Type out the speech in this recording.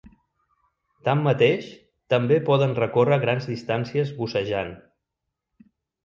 Tanmateix, també poden recórrer grans distàncies bussejant.